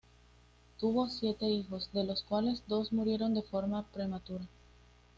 Tuvo siete hijos, de los cuales dos murieron de forma prematura.